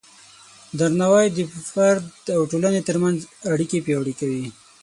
درناوی د فرد او ټولنې ترمنځ اړیکې پیاوړې کوي.